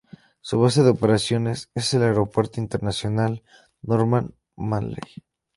Su base de operaciones es el Aeropuerto Internacional Norman Manley.